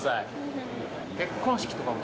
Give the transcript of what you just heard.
結婚式とかも。